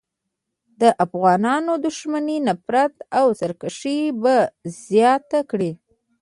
د افغانانو دښمني، نفرت او سرکښي به زیاته کړي.